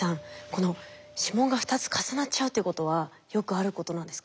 この指紋が２つ重なっちゃうってことはよくあることなんですか？